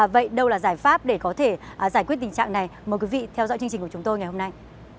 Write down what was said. vậy đâu là giải pháp để có thể giải quyết tình trạng này mời quý vị theo dõi chương trình của chúng tôi ngày hôm nay